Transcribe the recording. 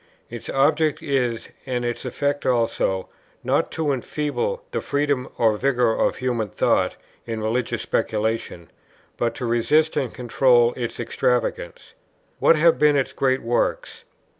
Its object is, and its effect also, not to enfeeble the freedom or vigour of human thought in religious speculation, but to resist and control its extravagance. What have been its great works?